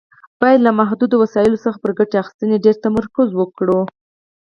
باید له محدودو وسایلو څخه پر ګټې اخیستنې ډېر تمرکز وکړي.